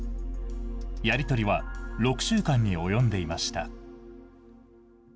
やり取りは６週間に及んでいました。